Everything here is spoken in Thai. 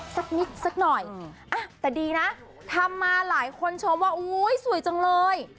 สักนิดสักหน่อยแต่ดีนะทำมาหลายคนชมว่าอุ้ยสวยจังเลย